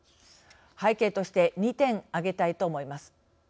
背景として２点挙げたいと思います。